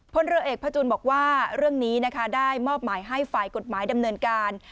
พลเรือเอกพระจุลบอกว่าเรื่องนี้นะคะได้มอบหมายให้ฝ่ายกฎหมายดำเนินการ